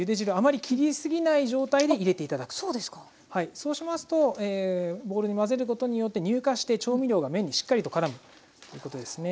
そうしますとボウルに混ぜることによって乳化して調味料が麺にしっかりとからむということですね。